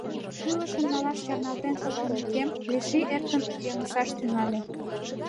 Шӱлышым налаш чарналтен шогалмекем, Леший эркын йыҥысаш тӱҥале.